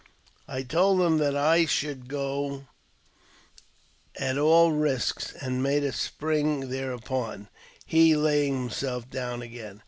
I told him that I should go at all risks, and made a spring thereupon, he laying himself down again.